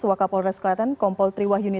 wakil pores waten kompol triwahuni